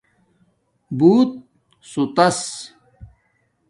بُوت سُوتَس